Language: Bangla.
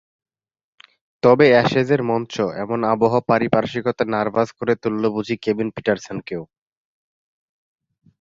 তবে অ্যাশেজের মঞ্চ, এমন আবহ-পারিপার্শ্বিকতা নার্ভাস করে তুলল বুঝি কেভিন পিটারসেনকেও।